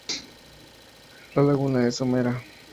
La laguna es somera.